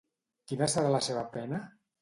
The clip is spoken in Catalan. Quina serà la seva pena?